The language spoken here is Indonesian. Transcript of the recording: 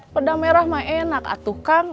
pedang merah mah enak atuh kang